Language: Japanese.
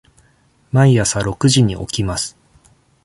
毎朝六時に起きます。